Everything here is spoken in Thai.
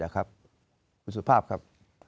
คุณสุภาพครับ